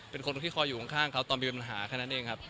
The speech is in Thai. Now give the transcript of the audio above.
เป็นคนที่คอยอยู่ข้างเขาตอนมีปัญหาแค่นั้นเองครับ